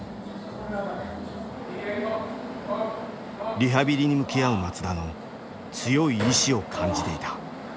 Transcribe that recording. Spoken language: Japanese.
リハビリに向き合う松田の強い意志を感じていた。